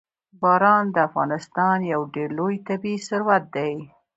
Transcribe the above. باران د افغانستان یو ډېر لوی طبعي ثروت دی.